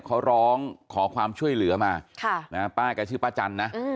เขาร้องขอความช่วยเหลือมาป้าแกชื่อป้าจันนะ